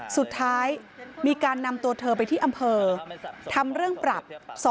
สุดท้ายมีการนำตัวเธอไปที่อำเภอทำเรื่องปรับ